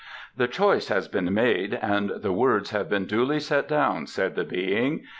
"The choice has been made and the words have been duly set down," said the Being.